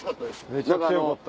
めちゃくちゃよかった。